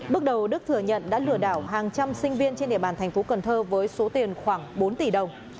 bước đầu đức thừa nhận đã lừa đảo hàng trăm sinh viên trên địa bàn thành phố cần thơ với số tiền khoảng bốn tỷ đồng